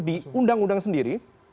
di undang undang sendiri